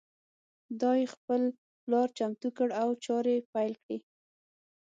دای خپل پلان چمتو کړ او چارې پیل کړې.